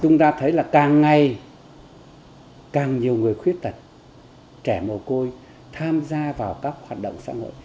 chúng ta thấy là càng ngày càng nhiều người khuyết tật trẻ mồ côi tham gia vào các hoạt động xã hội